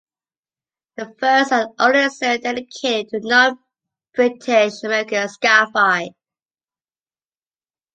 The first and only serial dedicated to non British-American sci-fi.